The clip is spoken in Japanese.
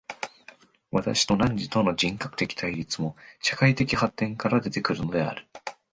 私と汝との人格的対立も、社会的発展から出て来るのである。